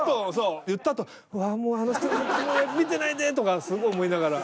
言ったあとうわっあの人見てないでとかすごい思いながら。